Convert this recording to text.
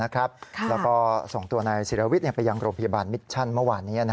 แล้วก็ส่งตัวนายศิรวิทย์ไปยังโรงพยาบาลมิชชั่นเมื่อวานนี้